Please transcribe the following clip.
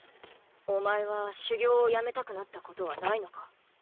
お前は修行をやめたくなったことはないのか？